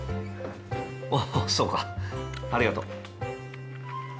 おっそうかありがとう。